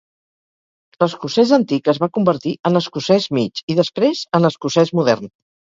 L'escocès antic es va convertir en escocès mig i després en escocès modern.